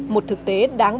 một thực tế đáng bảo